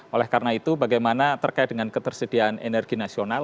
oleh karena itu bagaimana terkait dengan ketersediaan energi nasional